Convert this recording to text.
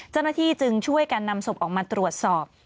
เจ้าหน้าที่จึงช่วยกันนำศพออกมาตรวจสอบ